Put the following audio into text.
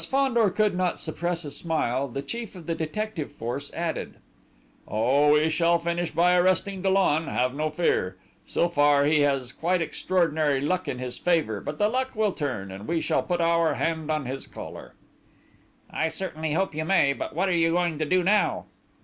As Fandor could not suppress a smile, the chief of the detective force added: "Oh, we shall finish by arresting Dollon, have no fear! So far he has quite extraordinary luck in his favour, but the luck will turn, and we shall put our hand on his collar!" "I certainly hope you may. But what are you going to do now?"